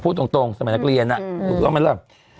พูดตรงสมัยนักเรียนอืม